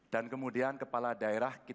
dan kemudian kepala daerah kita akan melakukan